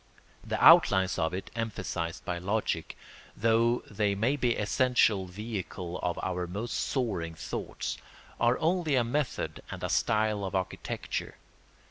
The outlines of it emphasised by logic, though they may be the essential vehicle of our most soaring thoughts, are only a method and a style of architecture.